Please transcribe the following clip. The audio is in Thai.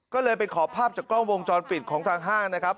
ก็เลยไปขอภาพจากกล้องวงจรปิดของทางห้างนะครับ